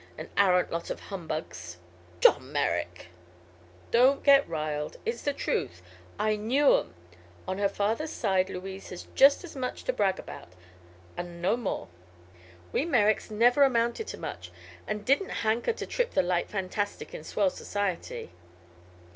"An arrant lot of humbugs." "John Merrick!" "Don't get riled. It's the truth. I knew 'em. On her father's side Louise has just as much to brag about an' no more. We Merricks never amounted to much, an' didn't hanker to trip the light fantastic in swell society.